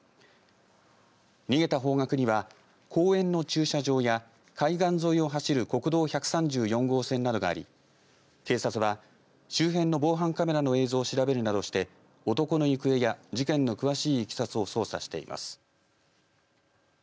逃げた方角には公園の駐車場や海岸沿いを走る国道１３４号線などがあり警察は周辺の防犯カメラの映像を調べるなどして男の行方や事件の詳しいいきさつを捜査しています。